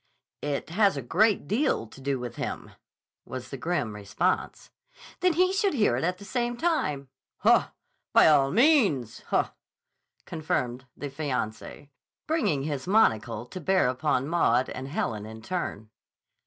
"It has a great deal to do with him," was the grim response. "Then he should hear it at the same time." "Haw! By all means. Haw!" confirmed the fiancé, bringing his monocle to bear upon Maud and Helen in turn.